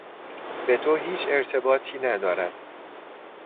به تو هیچ ارتباطی ندارد!